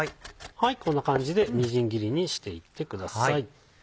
こんな感じでみじん切りにしていってください。